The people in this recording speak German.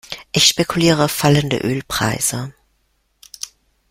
Ich spekuliere auf fallende Ölpreise.